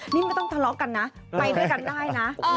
นี่ไม่ต้องทะเลาะกันนะไปด้วยกันได้นะ